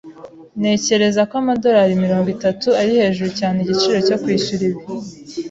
Ntekereza ko amadorari mirongo itatu ari hejuru cyane igiciro cyo kwishyura ibi.